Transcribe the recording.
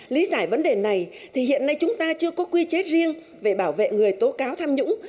lý giải vấn đề này thì hiện nay chúng ta chưa có quy chế riêng về bảo vệ người tố cáo tham nhũng